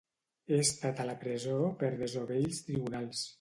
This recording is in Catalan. He estat a la presó per desobeir els tribunals.